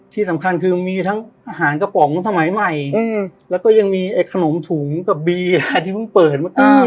ที่สำคัญคือมีทั้งอาหารกระป๋องสมัยใหม่แล้วก็ยังมีไอ้ขนมถุงกับบีที่เพิ่งเปิดเมื่อกี้